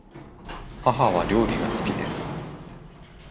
母は料理が好きです。